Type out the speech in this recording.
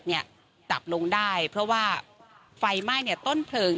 จับลงได้เพราะว่าไฟไหม้ต้นเพลิง